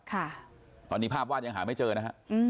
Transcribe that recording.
ค่ะตอนนี้ภาพวาดยังหาไม่เจอนะฮะอืม